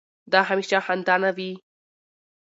دا هميشه خندانه وي